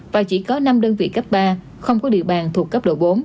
và chỉ có năm đơn vị cấp ba không có địa bàn thuộc cấp độ bốn